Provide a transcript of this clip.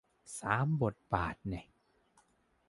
สามบาทแน่ะ